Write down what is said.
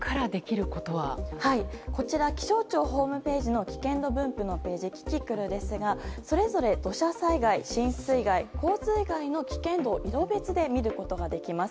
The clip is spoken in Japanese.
こちら気象庁ホームページの危険度分布のページキキクルですがそれぞれ、土砂災害浸水害、洪水害の危険度を色別で見ることができます。